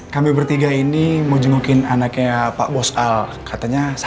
kami pertiga ini anak buahnya pak bos al di kantor